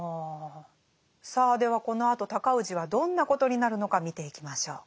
さあではこのあと尊氏はどんなことになるのか見ていきましょう。